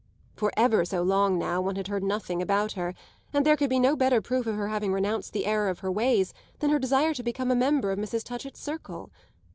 For ever so long now one had heard nothing about her, and there could be no better proof of her having renounced the error of her ways than her desire to become a member of Mrs. Touchett's circle.